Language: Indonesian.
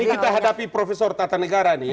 ini kita hadapi profesor tata negara nih